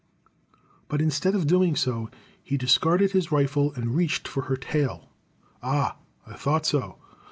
But instead of doing so, he discarded his rifle and reached for her tail. Ah, I thought so!